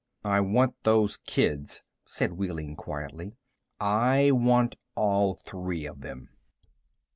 "I want those kids," said Wehling quietly. "I want all three of them."